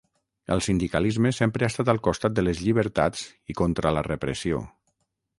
El sindicalisme sempre ha estat al costat de les llibertats i contra la repressió.